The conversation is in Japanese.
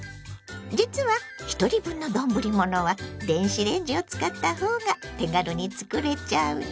実はひとり分の丼ものは電子レンジを使ったほうが手軽に作れちゃうの。